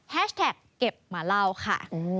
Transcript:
แท็กเก็บมาเล่าค่ะ